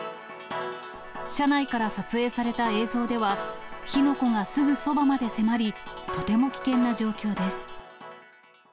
車内から撮影された映像では、火の粉がすぐそばまで迫り、とても危険な状況です。